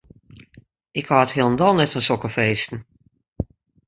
Ik hâld hielendal net fan sokke feesten.